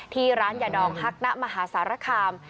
ที่ร้านหย่าดองฮักนะมหาศาลคาม